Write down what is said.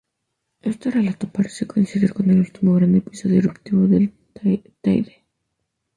Este relato parece coincidir con el último gran episodio eruptivo del Teide.